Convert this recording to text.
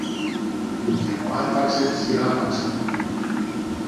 και μου άρπαξε τη χειράμαξα.